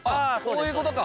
こういうことか！